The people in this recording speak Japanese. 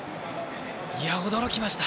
いや、驚きました。